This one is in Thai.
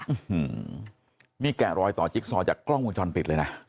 อื้อหือมีแก่รอยต่อจิ๊กซอร์จากกล้องมูลจรปิดเลยนะ